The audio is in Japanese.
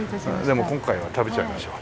でも今回は食べちゃいましょう。